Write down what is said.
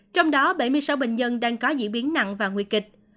trong đó bảy mươi sáu bệnh nhân đang có diễn biến nặng và nguy kịch